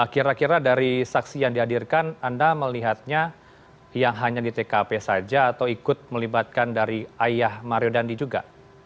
kira kira dari saksi yang dihadirkan anda melihatnya yang hanya di tkp saja atau ikut melibatkan dari ayah mario dandi juga